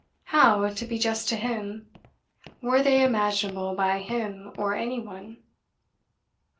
How, to be just to him, were they imaginable by him or any one?